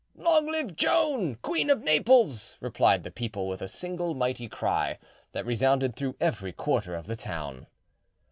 "Long live Joan, Queen of Naples!" replied the people, with a single mighty cry that resounded through every quarter of the town.